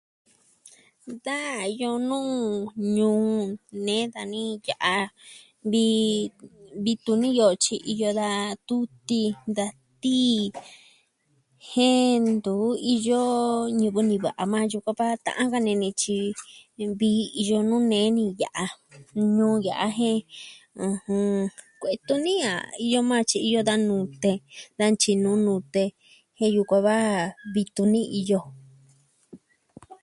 Da iyo nuu ñuu nee dani ya'a vii tuni iyo tyi iyo da tutin da tii jen ntu iyo ñivɨ niva'a maa yukuan va ta'an ka ini ni tyi nvi iyo nuu nee ni ya'a jen ɨjɨn... Kue'e tuni a iyo maa tyi iyo da nute da ntyinu nute je yukuan va vii tuni iyo.